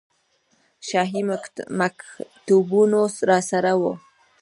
شاهي مکتوبونه راسره وو.